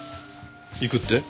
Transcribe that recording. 行くって？